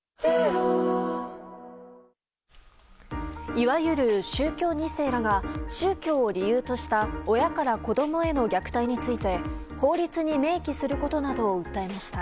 いわゆる宗教２世らが宗教を理由とした親から子供への虐待について法律に明記することなどを訴えました。